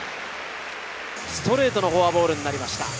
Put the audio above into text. ストレートのフォアボールになりました。